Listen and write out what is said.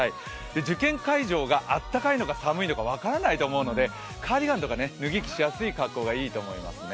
受験会場があったかいのか寒いのか分からないと思うのでカーディガンとか脱ぎ着しやすい格好がいいと思います。